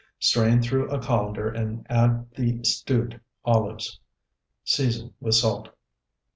Strain through a colander and add the stewed olives. Season with salt.